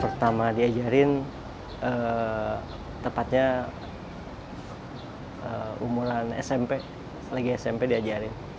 pertama diajarin tepatnya umuran smp lagi smp diajarin